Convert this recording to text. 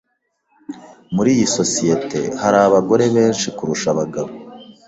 Muri iyi sosiyete, hari abagore benshi kurusha abagabo.